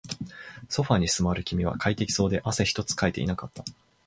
ソファーに座る君は快適そうで、汗一つかいていなかった